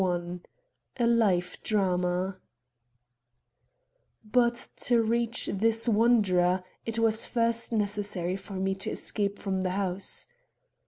III A LIFE DRAMA But to reach this wanderer, it was first necessary for me to escape from the house.